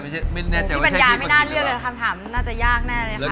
พี่ปัญญาไม่น่าเลือกเลยคำถามน่าจะยากนะครับ